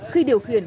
khi điều khiển